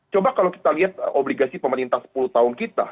coba kalau kita lihat obligasi pemerintah sepuluh tahun kita